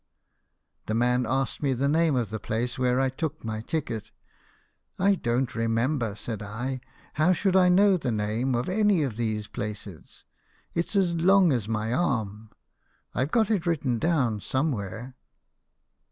The man asked me the name of the place where I took my ticket. ' I don't remember,' said I. ' How should I know the name of any of these places ? it's as long as my arm. I've got it written down somewhere.'